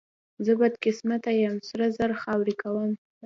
زه بدقسمته یم، سره زر خاورې کوم.